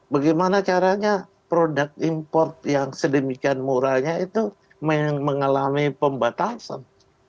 bagaimana caranya produk import yang sedemikian murahnya itu mengalami pembatasan